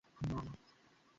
আমিও আসছি তোর সাথে।